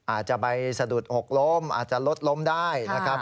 อาจจะไปสะดุดหกล้มอาจจะรถล้มได้นะครับ